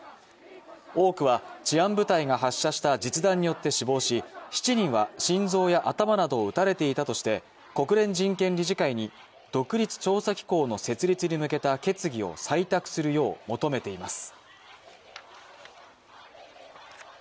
多くは治安部隊が発射した実弾によって死亡し、７人は心臓や頭などを撃たれていたとして、国連人権理事会に独立調査機構の設立に向けた決議を採択するよう求めています。